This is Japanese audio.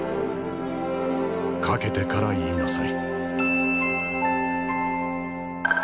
懸けてから言いなさい。